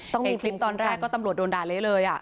ในคลิปตอนแรกก็ตำรวจโดนด่าเละเลย